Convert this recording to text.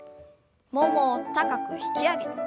ももを高く引き上げて。